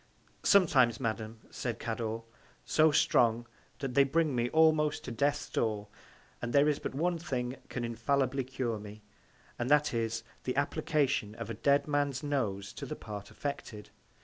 Sometimes, Madam, said Cador, so strong, that they bring me almost to Death's Door; and there is but one Thing can infallibly cure me; and that is, the Application of a dead Man's Nose to the part affected.